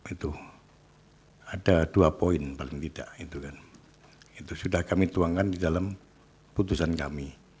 itu ada dua poin paling tidak itu kan itu sudah kami tuangkan di dalam putusan kami